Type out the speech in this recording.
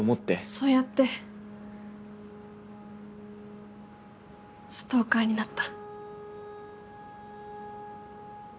そうやってストーカーになった。